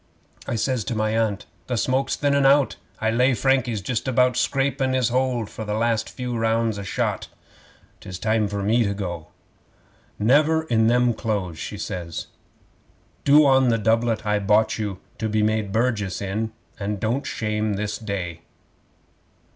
I says to my Aunt, "The smoke's thinnin' out. I lay Frankie's just about scrapin' his hold for a few last rounds shot. 'Tis time for me to go." '"Never in them clothes," she says. "Do on the doublet I bought you to be made burgess in, and don't you shame this day."